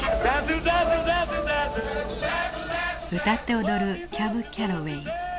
歌って踊るキャブ・キャロウェイ。